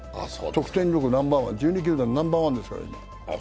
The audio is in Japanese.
得点力、１２球団ナンバーワンですから。